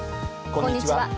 こんにちは。